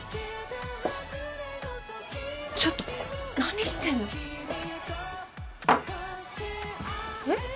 ちょっと何してんのえっ？